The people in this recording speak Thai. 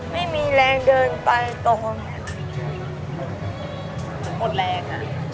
ไม่มีแรงเดินไปต่อแม่นี่